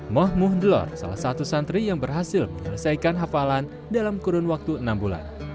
moh muhdlor salah satu santri yang berhasil menyelesaikan hafalan dalam kurun waktu enam bulan